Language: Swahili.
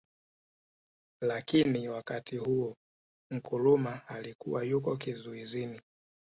Lakini wakati huo Nkrumah alikuwa yuko kizuizini